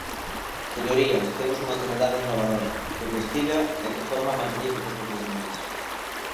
Señorías, temos unha sanidade innovadora, que investiga e que forma magníficos profesionais.